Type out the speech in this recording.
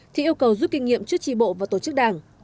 thì yêu cầu giúp kinh nghiệm trước trị bộ và tổ chức đảng